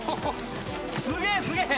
すげえすげえ！